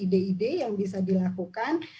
ide ide yang bisa dilakukan